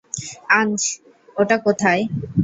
অ্যাঞ্জ, ওটা কোথায়?